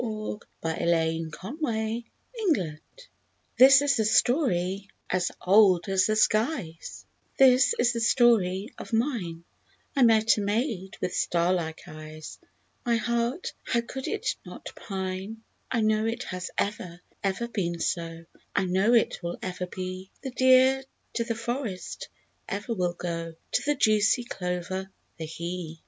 [i] SONGS AND DREAMS The Old Story This is the story as old as the skies, This is the story of mine: I met a maid with star like eyes— My heart—how could it not pine*? I know it has ever, ever been so, I know it will ever be: The deer to the forest ever will go, To the juicy clover—the bee.